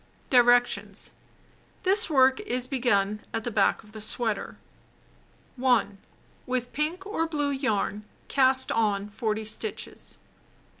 Directions : This work is begun at the back of the sweater. 1. With pink or blue yarn cast on 40 stitches.